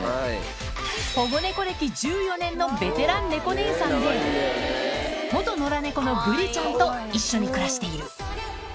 保護猫歴１４年のベテラン猫姉さんで、元野良猫のぶりちゃんと一緒に暮らしている。